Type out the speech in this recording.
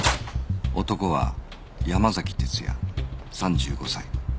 男は山崎哲也３５歳